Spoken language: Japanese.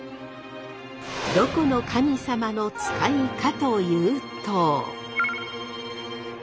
どこの神様の使いかというと。